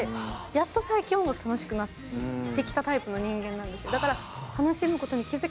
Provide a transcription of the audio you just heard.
やっと最近音楽楽しくなってきたタイプの人間なんです。